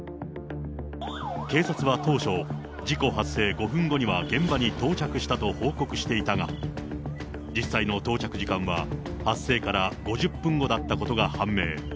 警察は当初、事故発生５分後には現場に到着したと報告していたが、実際の到着時間は、発生から５０分後だったことが判明。